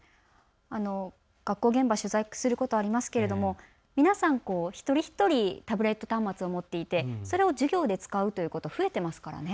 学校現場、取材することありますけれども皆さん一人一人、タブレット端末を持っていてそれを授業で使うということ増えていますからね。